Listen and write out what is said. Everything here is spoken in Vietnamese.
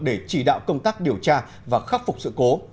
để chỉ đạo công tác điều tra và khắc phục sự cố